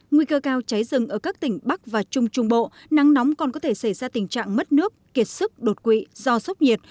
nguy cơ cao cháy rừng ở các tỉnh bắc và trung trung bộ nắng nóng còn có thể xảy ra tình trạng mất nước kiệt sức đột quỵ do sốc nhiệt